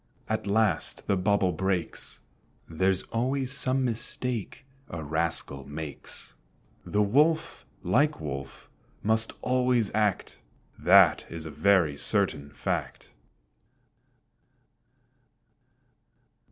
At last the bubble breaks; There's always some mistake a rascal makes. The Wolf like Wolf must always act; That is a very certain fact.